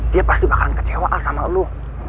dia pasti bakalan kecewa al sama lo